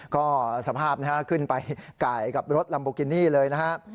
ก็สภาพขึ้นไปไก่กับรถลัมโบกินี่เลยนะครับ